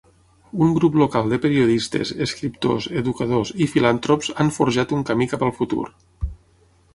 Un grup local de periodistes, escriptors, educadors i filantrops han forjat un camí cap al futur.